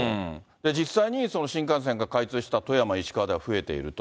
実際に、新幹線が開通した富山、石川では増えていると。